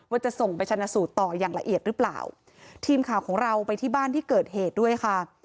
ว่าจะส่งไปชนะสูตรต่ออย่างละเอียดหรือเปล่าทีมข่าวของเราไปที่บ้านที่เกิดเหตุด้วยค่ะ